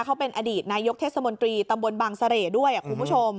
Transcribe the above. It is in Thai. เขาเป็นอดีตนายกเทศมนตรีตำบลบางเสร่ด้วยคุณผู้ชม